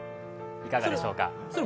いかがでしょうか。